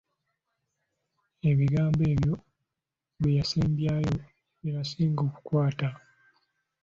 Ebigambo ebyo bye yasembyayo bye nnasinga okukwata.